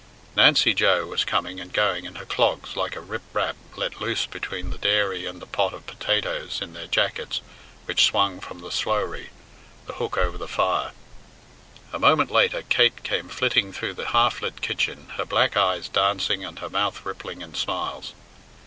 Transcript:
Nancy Joe was coming and going in her clogs like a rip rap let loose between the dairy and a pot of potatoes in their jackets which swung from the slowrie, the hook over the fire. A moment later Kate came flitting through the half lit kitchen, her black eyes dancing and her mouth rippling in smiles.